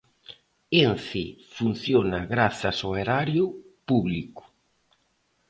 Ence funciona grazas ao erario público.